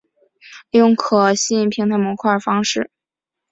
利用可信平台模块形式。